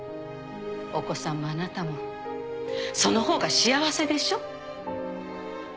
お子さんもあなたもその方が幸せでしょ？